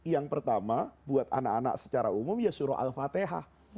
yang pertama buat anak anak secara umum ya suruh al fatihah